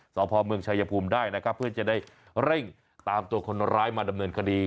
สพเมืองชายภูมิได้นะครับเพื่อจะได้เร่งตามตัวคนร้ายมาดำเนินคดี